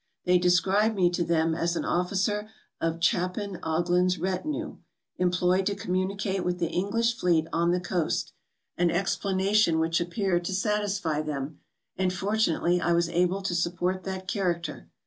They described me to them as an officer of Chappan Oglon's retinue, employed to communicate with the English fleet on the coast, an explanation which ap¬ peared to satisfy them; and fortunately I was able to support that character.